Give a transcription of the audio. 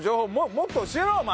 もっと教えろお前！